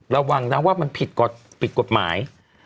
ระวังนะว่ามันผิดกฎหมาย